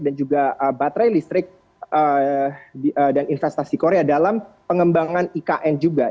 dan juga baterai listrik dan investasi korea dalam pengembangan ikn juga